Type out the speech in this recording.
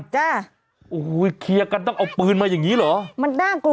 จริงค่ะ